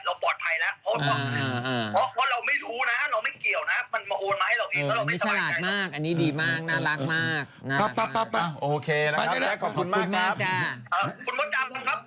เราปลอดภัยนะเพราะว่าเราไม่รู้นะเราไม่เกี่ยวนะ